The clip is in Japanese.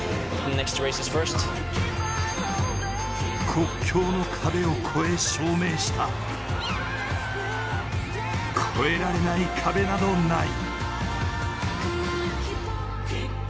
国境の壁を超え証明した、超えられない壁などない。